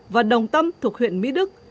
và đồng tâm thuộc huyện mỹ đức